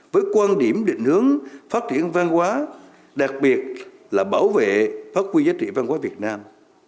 với quan điểm định hướng phát triển văn hóa đặc biệt là bảo vệ phát huy giá trị văn hóa việt nam